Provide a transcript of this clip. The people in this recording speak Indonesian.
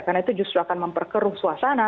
karena itu justru akan memperkeruh suasana